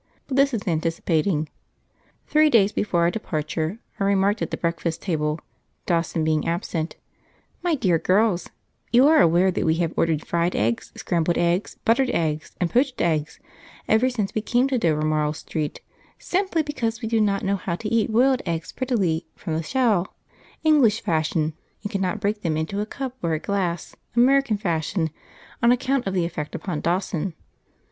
But this is anticipating.) Three days before our departure, I remarked at the breakfast table, Dawson being absent: "My dear girls, you are aware that we have ordered fried eggs, scrambled eggs, buttered eggs, and poached eggs ever since we came to Dovermarle Street, simply because we do not know how to eat boiled eggs prettily from the shell, English fashion, and cannot break them into a cup or a glass, American fashion, on account of the effect upon Dawson.